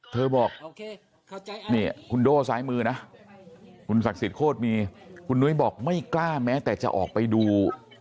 เธอบอกโด่ซ้ายมือนะสักศิษย์โคตรตามินุ้ยบอกไม่กล้าแม้แต่จะออกไปดู